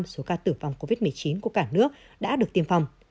số ca tử vong covid một mươi chín của cả nước đã được tiêm phòng